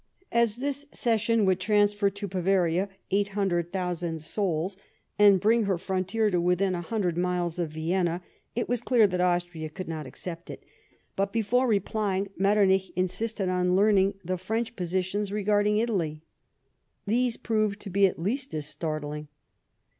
As this cession would transfer to Bavaria 800,000 souls, and bring her frontier to within about a hundred miles of Vienna, it was clear that Austria could not accept it ; but, before replying, Metternich insisted on learning the French propositions regarding Italy. These proved to be at least as startling.